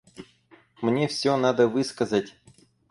Мне все надо высказать.